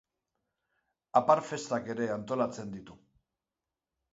Apar festak ere antolatzen ditu.